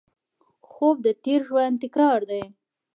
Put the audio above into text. خوب د تېر ژوند تکرار دی